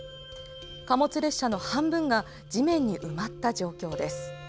貨物列車の半分が地面に埋まった状況です。